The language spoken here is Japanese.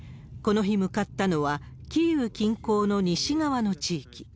この日、向かったのはキーウ近郊の西側の地域。